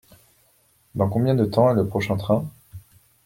Dans combien de temps est le prochain train ?